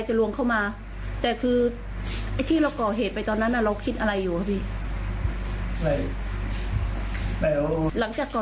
หลายคนก็โดนท้องอยากขอโทษเขา